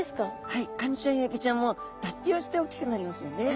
はいカニちゃんやエビちゃんも脱皮をしておっきくなりますよね。